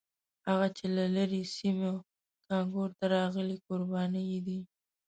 هغه چې له لرې سیمو کانکور ته راغلي کوربانه یې دي.